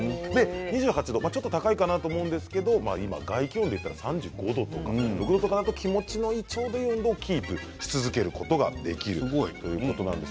２８度、ちょっと高いかなと思うんですが外気温でいったら３５度とかになると気持ちいいちょうどいい温度をキープし続けることができるということなんです。